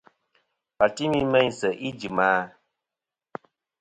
Wà timi meyn sèʼ ijìm a?